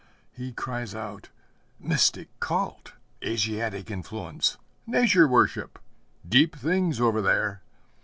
He cries out, 'Mystic cult, Asiatic influence, Nature worship, deep things over there!'